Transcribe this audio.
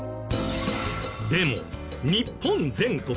でも日本全国